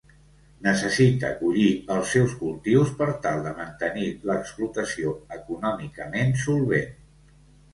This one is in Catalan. Necessita collir els seus cultius per tal de mantenir l'explotació econòmicament solvent.